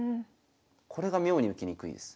これが妙に受けにくいです。